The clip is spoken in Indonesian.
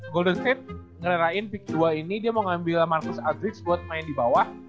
golden state ngerain peak dua ini dia mau ngambil marcus adrics buat main di bawah